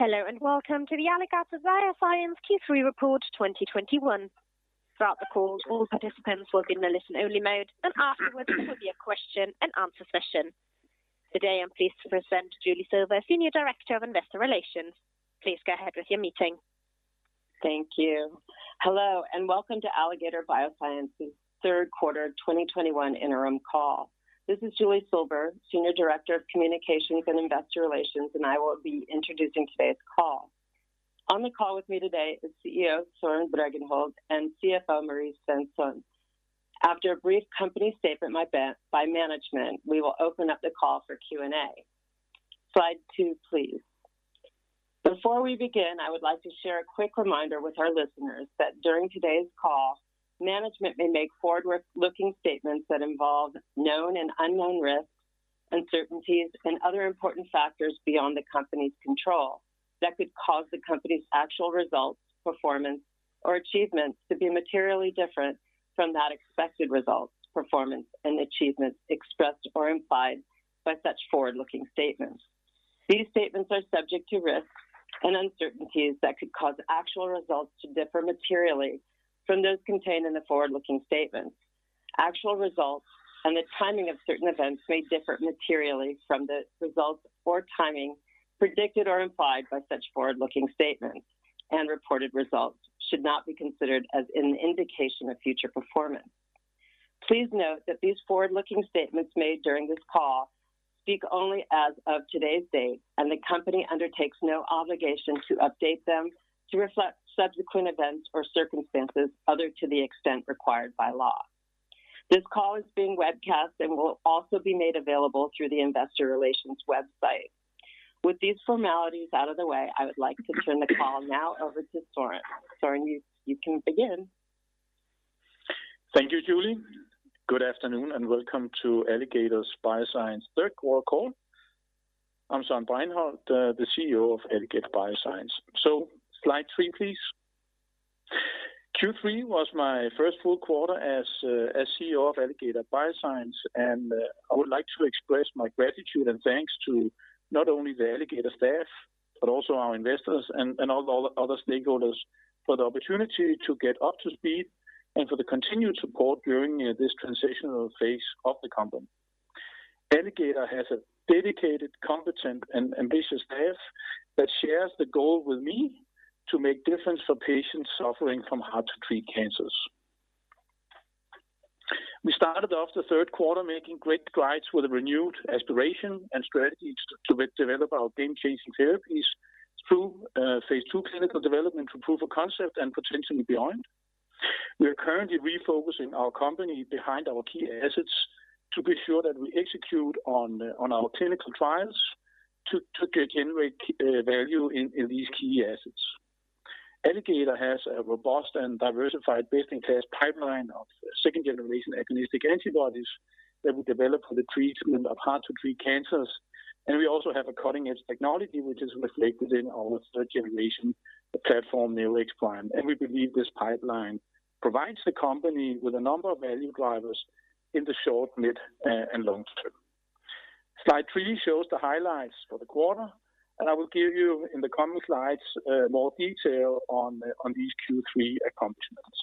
Hello, and welcome to the Alligator Bioscience Q3 Report 2021. Throughout the call, all participants will be in a listen-only mode, and afterwards there will be a question and answer session. Today, I'm pleased to present Julie Silber, Senior Director of Investor Relations. Please go ahead with your meeting. Thank you. Hello, and welcome to Alligator Bioscience's third quarter 2021 interim call. This is Julie Silber, Senior Director of Communications and Investor Relations, and I will be introducing today's call. On the call with me today is CEO Søren Bregenholt and CFO Marie Svensson. After a brief company statement by management, we will open up the call for Q&A. Slide 2, please. Before we begin, I would like to share a quick reminder with our listeners that during today's call, management may make forward-looking statements that involve known and unknown risks, uncertainties, and other important factors beyond the company's control that could cause the company's actual results, performance, or achievements to be materially different from that expected results, performance, and achievements expressed or implied by such forward-looking statements. These statements are subject to risks and uncertainties that could cause actual results to differ materially from those contained in the forward-looking statement. Actual results and the timing of certain events may differ materially from the results or timing predicted or implied by such forward-looking statements, and reported results should not be considered as an indication of future performance. Please note that these forward-looking statements made during this call speak only as of today's date, and the company undertakes no obligation to update them to reflect subsequent events or circumstances other to the extent required by law. This call is being webcast and will also be made available through the investor relations website. With these formalities out of the way, I would like to turn the call now over to Søren. Søren, you can begin. Thank you, Julie. Good afternoon, and welcome to Alligator Bioscience third quarter call. I'm Søren Bregenholt, the CEO of Alligator Bioscience. Slide 3, please. Q3 was my 1st full quarter as CEO of Alligator Bioscience, and I would like to express my gratitude and thanks to not only the Alligator staff but also our investors and all the other stakeholders for the opportunity to get up to speed and for the continued support during this transitional phase of the company. Alligator has a dedicated, competent, and ambitious staff that shares the goal with me to make difference for patients suffering from hard-to-treat cancers. We started off the third quarter making great strides with a renewed aspiration and strategy to develop our game-changing therapies through phase II clinical development to proof of concept and potentially beyond. We are currently refocusing our company behind our key assets to be sure that we execute on our clinical trials to generate value in these key assets. Alligator has a robust and diversified best-in-class pipeline of second-generation agonistic antibodies that we developed for the treatment of hard-to-treat cancers. We also have a cutting-edge technology, which is reflected in our third generation platform, Neo-X-Prime. We believe this pipeline provides the company with a number of value drivers in the short, mid, and long term. Slide 3 shows the highlights for the quarter. I will give you, in the coming slides, more detail on these Q3 accomplishments.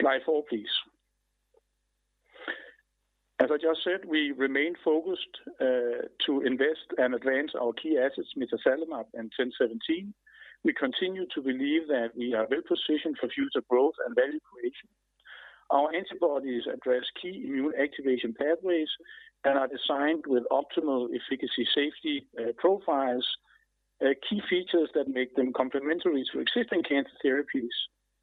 Slide 4, please. As I just said, we remain focused to invest and advance our key assets, mitazalimab and 1017. We continue to believe that we are well-positioned for future growth and value creation. Our antibodies address key immune activation pathways and are designed with optimal efficacy safety profiles, key features that make them complementary to existing cancer therapies.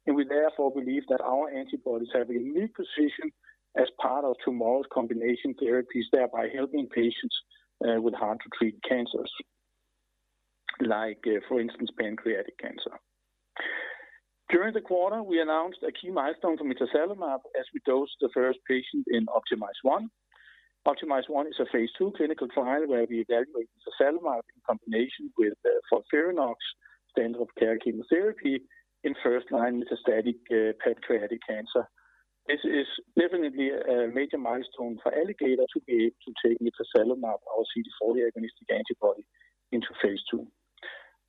We therefore believe that our antibodies have a unique position as part of tomorrow's combination therapies, thereby helping patients, with hard-to-treat cancers, like for instance, pancreatic cancer. During the quarter, we announced a key milestone for mitazalimab as we dosed the first patient in OPTIMIZE-1. OPTIMIZE-1 is a phase II clinical trial where we evaluate mitazalimab in combination with FOLFIRINOX standard of care chemotherapy in first-line metastatic pancreatic cancer. This is definitely a major milestone for Alligator to be able to take mitazalimab, our CD40 agonistic antibody, into phase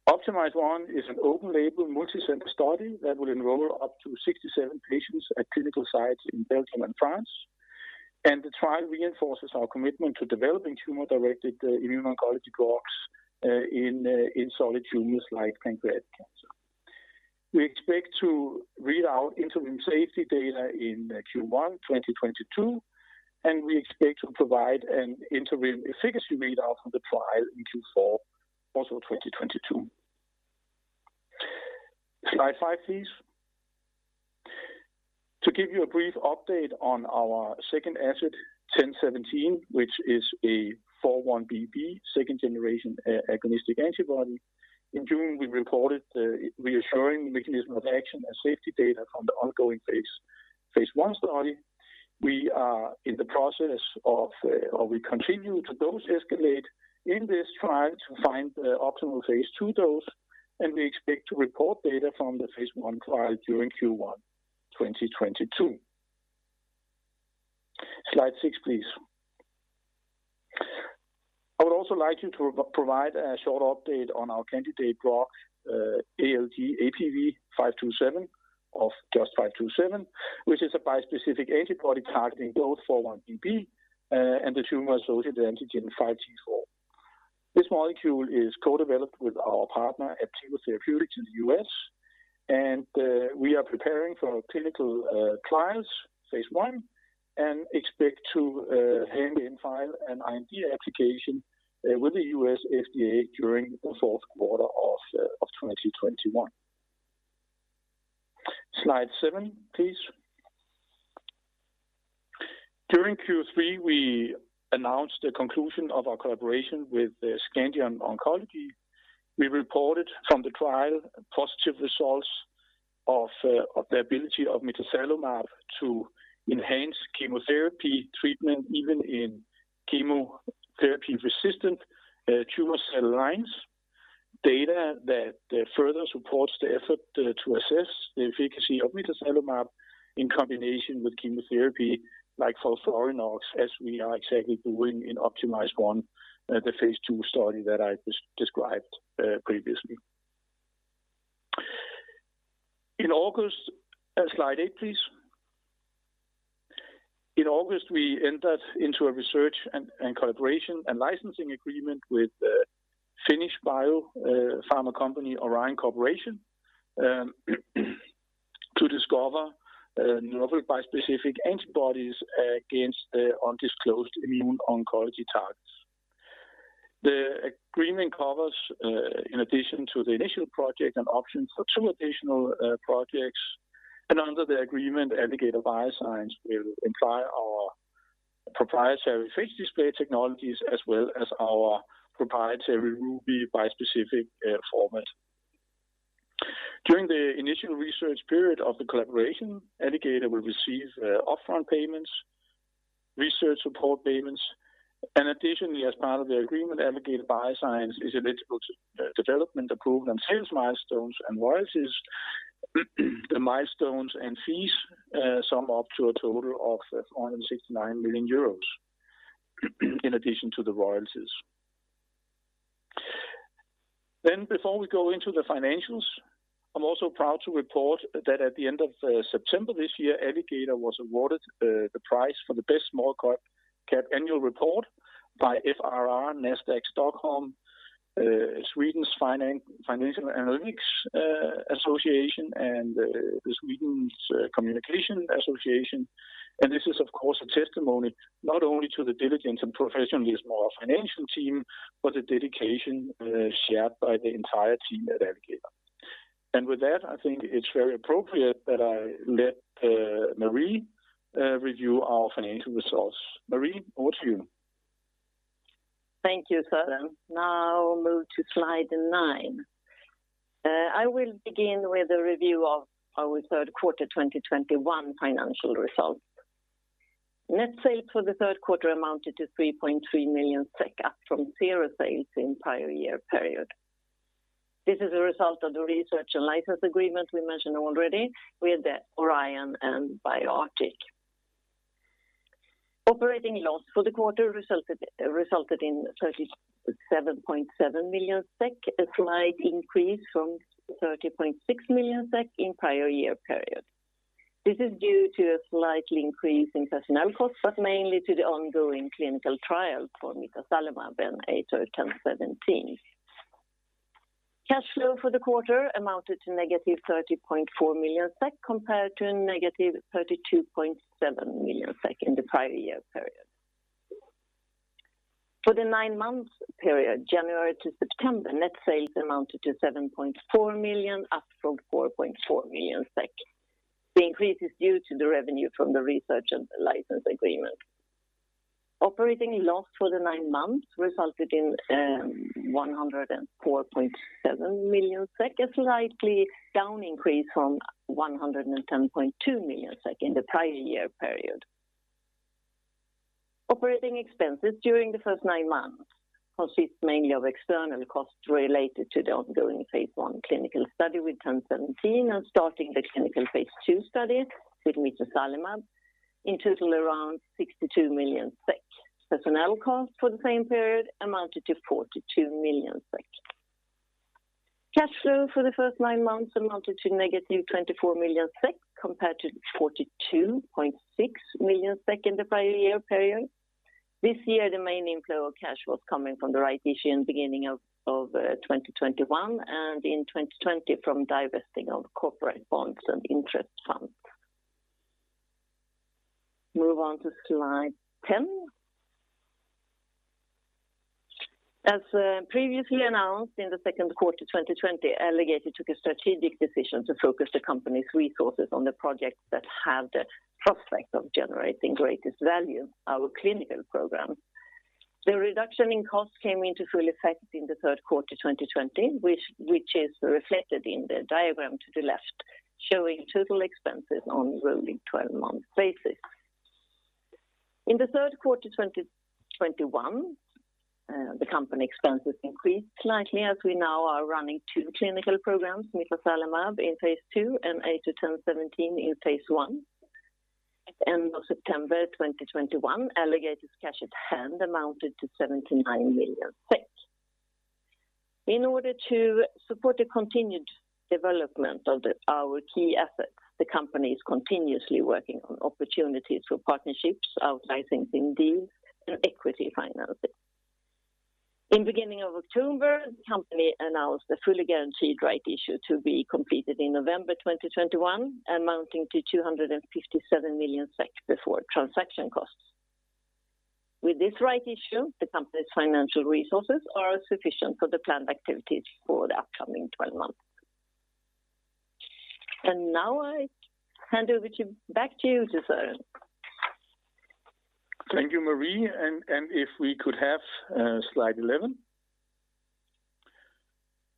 II. OPTIMIZE-1 is an open-label, multi-center study that will enroll up to 67 patients at clinical sites in Belgium and France. The trial reinforces our commitment to developing tumor-directed immuno-oncology drugs in solid tumors like pancreatic cancer. We expect to read out interim safety data in Q1 2022, and we expect to provide an interim efficacy readout from the trial in Q4, also 2022. Slide 5, please. To give you a brief update on our second asset, 1017, which is a 4-1BB second generation agonistic antibody. In June, we reported the reassuring mechanism of action and safety data from the ongoing phase I study. We continue to dose escalate in this trial to find the optimal phase II dose, and we expect to report data from the phase I trial during Q1 2022. Slide 6, please. I would also like to provide a short update on our candidate drug, ALG.APV-527 or just 527, which is a bispecific antibody targeting both 4-1BB and the tumor-associated antigen 5T4. This molecule is co-developed with our partner Aptevo Therapeutics in the U.S., we are preparing for clinical trials, phase I, and expect to file an IND application with the U.S. FDA during the fourth quarter of 2021. Slide 7, please. During Q3, we announced the conclusion of our collaboration with Scandion Oncology. We reported from the trial positive results of the ability of mitazalimab to enhance chemotherapy treatment, even in chemotherapy-resistant tumor cell lines. Data that further supports the effort to assess the efficacy of mitazalimab in combination with chemotherapy, like fluorouracil, as we are exactly doing in OPTIMIZE-1, the phase II study that I described previously. Slide 8, please. In August, we entered into a research and collaboration and licensing agreement with Finnish biopharma company Orion Corporation, to discover novel bispecific antibodies against the undisclosed immuno-oncology targets. The agreement covers, in addition to the initial project, an option for two additional projects, and under the agreement, Alligator Bioscience will employ our proprietary phage display technologies as well as our proprietary RUBY bispecific format. During the initial research period of the collaboration, Alligator will receive upfront payments, research support payments, and additionally, as part of the agreement, Alligator Bioscience is eligible to development, approval, and sales milestones and royalties. The milestones and fees sum up to a total of 169 million euros in addition to the royalties. Before we go into the financials, I'm also proud to report that at the end of September this year, Alligator was awarded the prize for the best small cap annual report by FRR Nasdaq Stockholm, Sweden's Financial Analytics Association, and the Sweden's Communication Association. This is, of course, a testimony not only to the diligence and professionalism of our financial team but the dedication shared by the entire team at Alligator. With that, I think it's very appropriate that I let Marie review our financial results. Marie, over to you. Thank you, Søren. Now move to slide 9. I will begin with a review of our third quarter 2021 financial results. Net sales for the third quarter amounted to 3.3 million SEK, up from 0 sales in prior year period. This is a result of the research and license agreement we mentioned already with Orion and BioArctic. Operating loss for the quarter resulted in 37.7 million SEK, a slight increase from 30.6 million SEK in prior year period. This is due to a slight increase in personnel costs, but mainly to the ongoing clinical trial for mitazalimab in ATOR-1017. Cash flow for the quarter amounted to negative 30.4 million SEK compared to negative 32.7 million SEK in the prior year period. For the 9-month period, January to September, net sales amounted to 7.4 million, up from 4.4 million SEK. The increase is due to the revenue from the research and the license agreement. Operating loss for the nine months resulted in 104.7 million SEK, a slightly down increase from 110.2 million SEK in the prior year period. Operating expenses during the first nine months consists mainly of external costs related to the ongoing phase I clinical study with ATOR-1017 and starting the clinical phase II study with mitazalimab. In total, around 62 million. Personnel cost for the same period amounted to 42 million. Cash flow for the first nine months amounted to negative 24 million compared to 42.6 million SEK in the prior year period. This year, the main inflow of cash was coming from the right issue in beginning of 2021, and in 2020, from divesting of corporate bonds and interest funds. Move on to slide 10. As previously announced in the second quarter 2020, Alligator took a strategic decision to focus the company's resources on the projects that have the prospect of generating greatest value, our clinical program. The reduction in costs came into full effect in the third quarter 2020, which is reflected in the diagram to the left, showing total expenses on rolling 12-month basis. In the third quarter 2021, the company expenses increased slightly as we now are running two clinical programs, mitazalimab in phase II and ATOR-1017 in phase I. At the end of September 2021, Alligator's cash at hand amounted to 79 million. In order to support the continued development of our key assets, the company is continuously working on opportunities for partnerships, out-licensing deals, and equity financing. In beginning of October, the company announced a fully guaranteed rights issue to be completed in November 2021 amounting to 257 million SEK before transaction costs. With this rights issue, the company's financial resources are sufficient for the planned activities for the upcoming 12 months. Now I hand over back to you, Søren. Thank you, Marie. If we could have slide 11,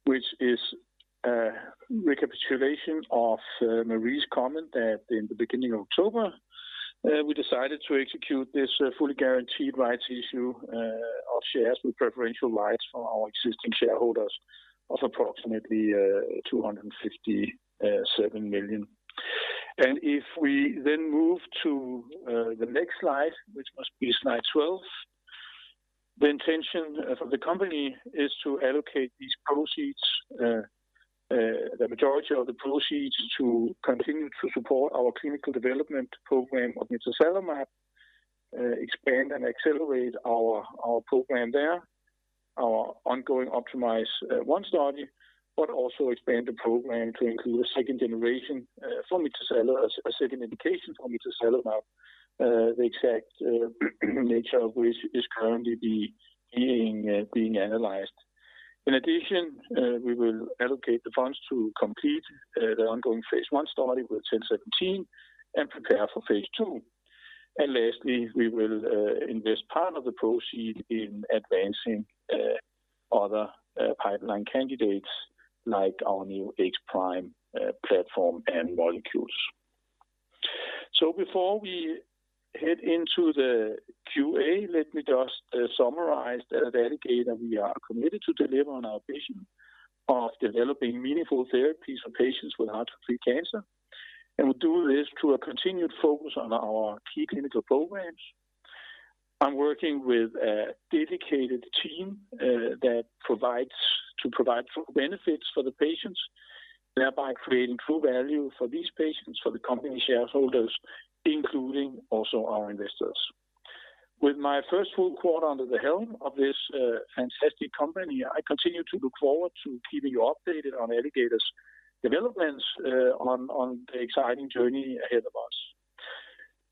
which is a recapitulation of Marie's comment that in the beginning of October, we decided to execute this fully guaranteed rights issue of shares with preferential rights for our existing shareholders of approximately 257 million. If we move to the next slide, which must be slide 12. The intention of the company is to allocate the majority of the proceeds to continue to support our clinical development program of mitazalimab, expand and accelerate our program there, our ongoing OPTIMIZE-1 study, but also expand the program to include a second-generation for mitazalimab, a second indication for mitazalimab, the exact nature of which is currently being analyzed. In addition, we will allocate the funds to complete the ongoing phase I study with ATOR-1017 and prepare for phase II. Lastly, we will invest part of the proceed in advancing other pipeline candidates like our Neo-X-Prime platform and molecules. Before we head into the QA, let me just summarize that at Alligator we are committed to deliver on our vision of developing meaningful therapies for patients with hard-to-treat cancer. We do this through a continued focus on our key clinical programs and working with a dedicated team to provide benefits for the patients, thereby creating true value for these patients, for the company shareholders, including also our investors. With my first full quarter under the helm of this fantastic company, I continue to look forward to keeping you updated on Alligator's developments on the exciting journey ahead of us.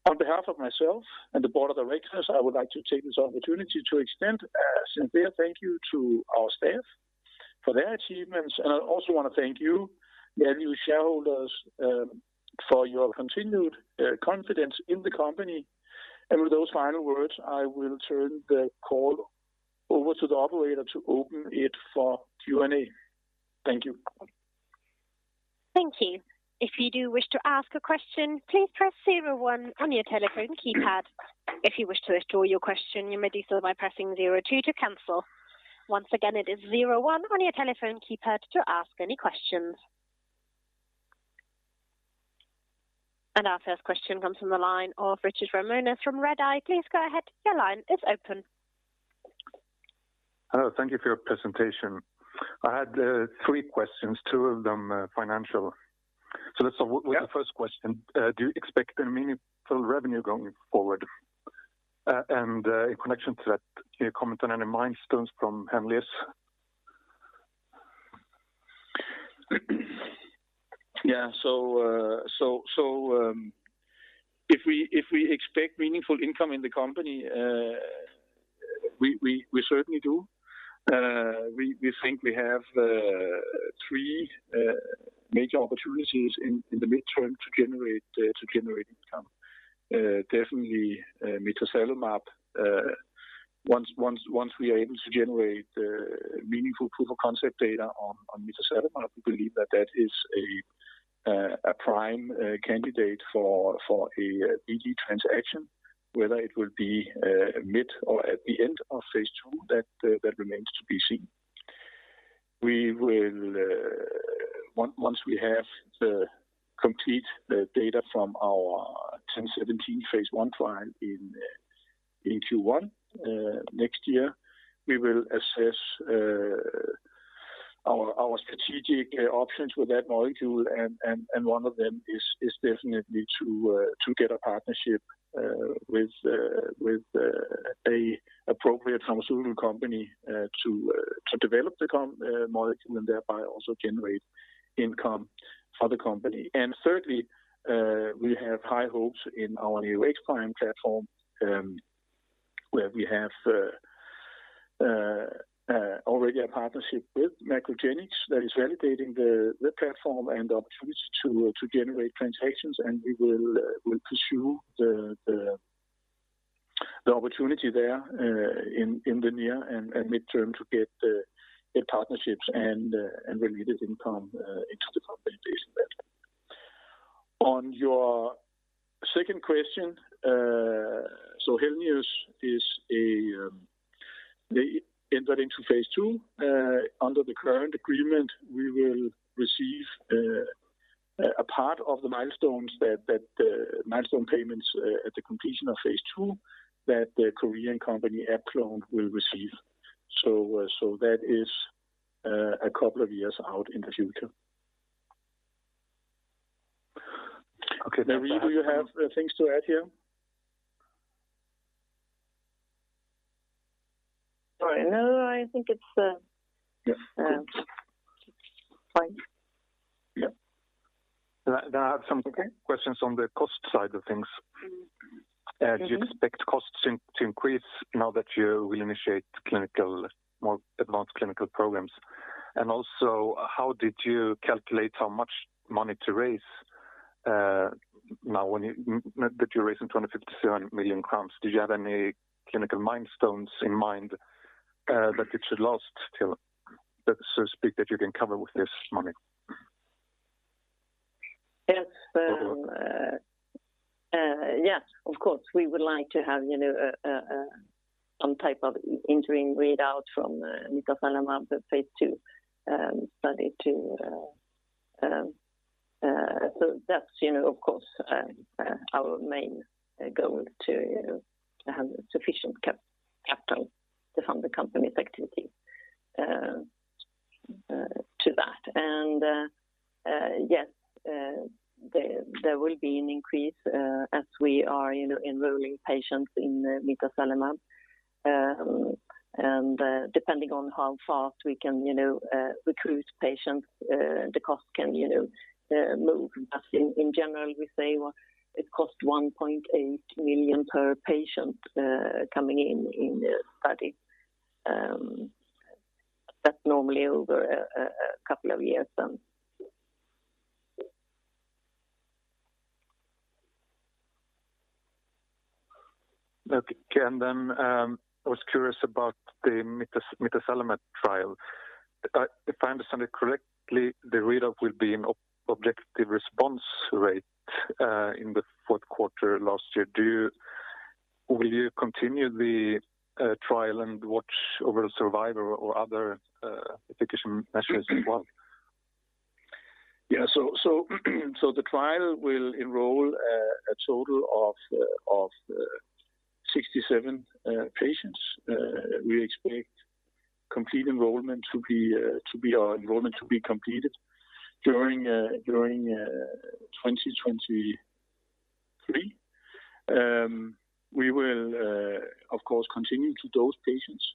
On behalf of myself and the board of directors, I would like to take this opportunity to extend a sincere thank you to our staff for their achievements. I also want to thank you, the annual shareholders, for your continued confidence in the company. With those final words, I will turn the call over to the operator to open it for Q&A. Thank you. Thank you. If you do wish to ask a question, please press 01 on your telephone keypad. If you wish to withdraw your question, you may do so by pressing 02 to cancel. Once again, it is 01 on your telephone keypad to ask any questions. Our first question comes from the line of Richard Ramanius from Redeye. Please go ahead. Your line is open. Hello. Thank you for your presentation. I had 3 questions, 2 of them financial. Let's start. Yeah with the first question. Do you expect a meaningful revenue going forward? In connection to that, can you comment on any milestones from Henlius? Yeah. If we expect meaningful income in the company? We certainly do. We think we have three major opportunities in the midterm to generate income. Definitely mitazalimab. Once we are able to generate meaningful proof-of-concept data on mitazalimab, we believe that that is a prime candidate for a BD transaction, whether it will be mid or at the end of phase II, that remains to be seen. Once we have the complete data from our 1017 phase I trial in Q1 next year, we will assess our strategic options with that molecule, and one of them is definitely to get a partnership with an appropriate pharmaceutical company to develop the molecule and thereby also generate income for the company. Thirdly, we have high hopes in our Neo-X-Prime platform, where we have already a partnership with MacroGenics that is validating the platform and the opportunity to generate transactions, and we will pursue the opportunity there in the near and midterm to get partnerships and related income into the company. On your second question, Henlius entered into phase II. Under the current agreement, we will receive a part of the milestone payments at the completion of phase II that the Korean company AbClon will receive. That is a couple of years out in the future. Okay. Marie, do you have things to add here? No, I think it is fine. Yeah. I have some questions on the cost side of things. Do you expect costs to increase now that you will initiate more advanced clinical programs? Also, how did you calculate how much money to raise now that you're raising 25 million crowns? Do you have any clinical milestones in mind that it should last till, so to speak, that you can cover with this money? Yes. Of course, we would like to have some type of interim readout from mitazalimab for phase II study too. That's, of course, our main goal, to have sufficient capital to fund the company's activities to that. Yes, there will be an increase as we are enrolling patients in mitazalimab. Depending on how fast we can recruit patients, the cost can move. In general, we say it costs 1.8 million per patient coming in the study. That's normally over a couple of years then. Okay. I was curious about the mitazalimab trial. If I understand it correctly, the readout will be an objective response rate in the fourth quarter last year. Will you continue the trial and watch over survival or other efficacy measures as well? Yeah. The trial will enroll a total of 67 patients. We expect our enrollment to be completed during 2023. We will, of course, continue to those patients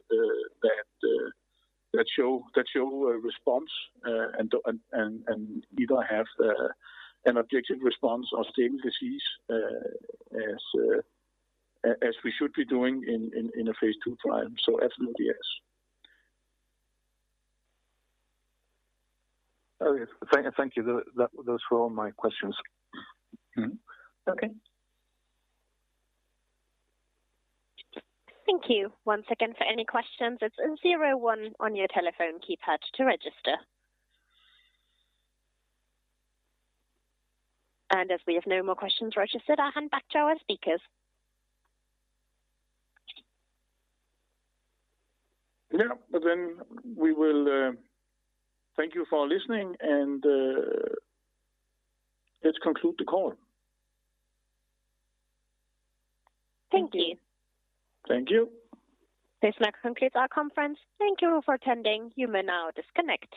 that show a response and either have an objective response or stable disease as we should be doing in a phase II trial. Absolutely, yes. Okay. Thank you. Those were all my questions. Okay. Thank you. As we have no more questions registered, I'll hand back to our speakers. We will thank you for listening, and let's conclude the call. Thank you. Thank you. This now concludes our conference. Thank you for attending. You may now disconnect.